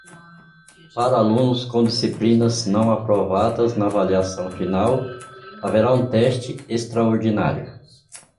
Para alunos com disciplinas não aprovadas na avaliação final, haverá um teste extraordinário.